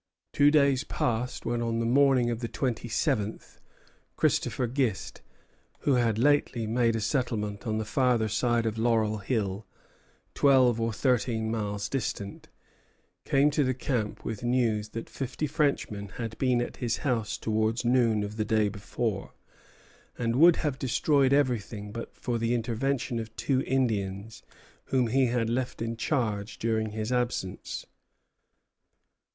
Two days passed; when, on the morning of the twenty seventh, Christopher Gist, who had lately made a settlement on the farther side of Laurel Hill, twelve or thirteen miles distant, came to the camp with news that fifty Frenchmen had been at his house towards noon of the day before, and would have destroyed everything but for the intervention of two Indians whom he had left in charge during his absence.